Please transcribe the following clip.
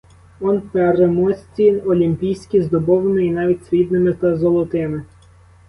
Он переможці олімпійські: з дубовими і навіть срібними та золотими.